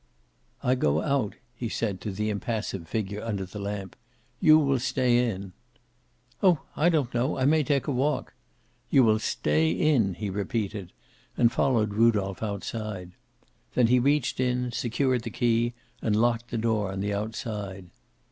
"I go out," he said, to the impassive figure under the lamp. "You will stay in." "Oh, I don't know. I may take a walk." "You will stay in," he repeated, and followed Rudolph outside. There he reached in, secured the key, and locked the door on the outside.